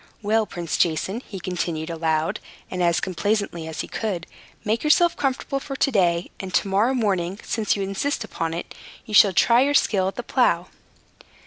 Well, Prince Jason," he continued, aloud, and as complaisantly as he could, "make yourself comfortable for to day, and to morrow morning, since you insist upon it, you shall try your skill at the plow."